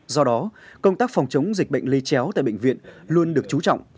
do đó công tác phòng chống dịch bệnh lây chéo tại bệnh viện luôn được chú trọng